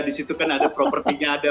di situ kan ada propertinya ada